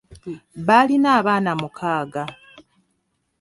Baalina abaana mukaaga